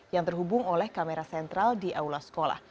yang terhubung oleh kamera sentral di aula sekolah